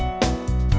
oke sampai jumpa